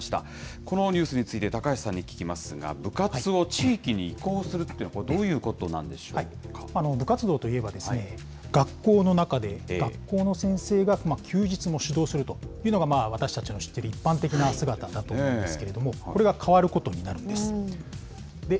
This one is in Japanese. このニュースについて、高橋さんに聞きますが、部活を地域に移行するっていうのは、これ、どういうことなんでし部活動といえばですね、学校の中で学校の先生が休日も指導するというのが、私たちの知っている一般的な姿だと思うんですけれども、これが変わることになるんです。